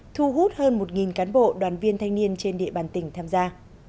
thu hút hơn một cán bộ đoàn viên thanh niên trên địa bàn tỉnh tham gia